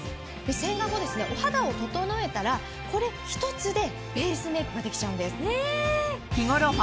洗顔後お肌を整えたらこれ１つでベースメイクができちゃうんです。